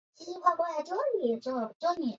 圣万桑多拉尔盖。